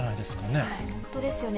本当ですよね。